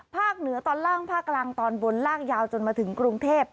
เหนือตอนล่างภาคกลางตอนบนลากยาวจนมาถึงกรุงเทพ